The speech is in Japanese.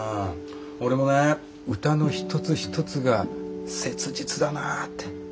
俺もね歌の一つ一つが切実だなぁって。